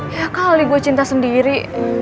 ya kali gue cinta sendiri